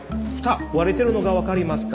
割れてるのが分かりますか？